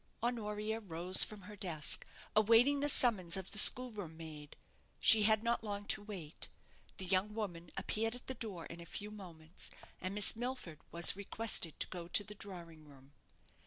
Honoria rose from her desk, awaiting the summons of the schoolroom maid. She had not long to wait. The young woman appeared at the door in a few moments, and Miss Milford was requested to go to the drawing room.